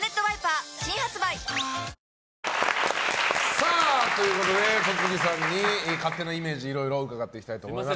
さあ、戸次さんに勝手なイメージをいろいろ伺っていきたいと思います。